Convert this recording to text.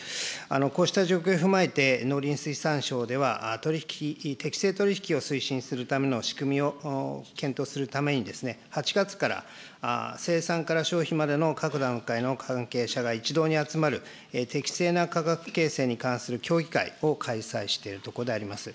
こうした状況を踏まえて、農林水産省では、取り引き、適正取り引きを推進するための仕組みを検討するために、８月から、生産から消費までの各段階の関係者が一堂に集まる、適正な価格形成に関する協議会を開催しているところであります。